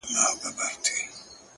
• قاتل ورک دی له قاضي له عدالته ,